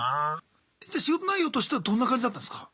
じゃ仕事内容としてはどんな感じだったんすか？